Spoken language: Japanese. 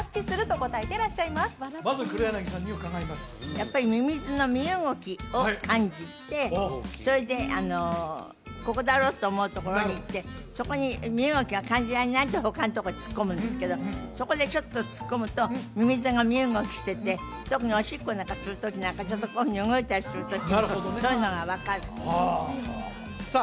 やっぱりミミズの身動きを感じてそれでここだろうと思うところに行ってそこに身動きが感じられないと他のとこに突っ込むんですけどそこでちょっと突っ込むとミミズが身動きしてて特にオシッコなんかするときなんかちょっとこういうふうに動いたりするときはそういうのが分かるさあ